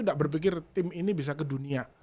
tidak berpikir tim ini bisa ke dunia